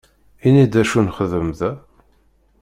Ini-d d acu nxeddem da!